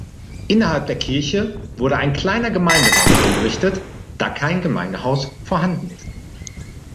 Innerhalb der Kirche wurde ein kleiner Gemeinderaum eingerichtet, da kein Gemeindehaus vorhanden ist.